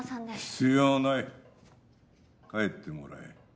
必要ない帰ってもらえ。